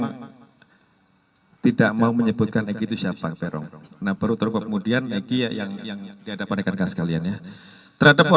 ia tidak mau menyebutkan gitu siapa perong nabar utuh kemudian lagi ya yang yang diadakan kaskaliannya